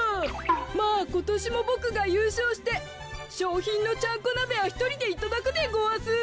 まあことしもボクがゆうしょうしてしょうひんのちゃんこなべはひとりでいただくでごわす。